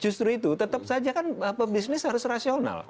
justru itu tetap saja kan pebisnis harus rasional